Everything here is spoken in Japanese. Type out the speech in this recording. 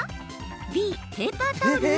Ｂ・ペーパータオル？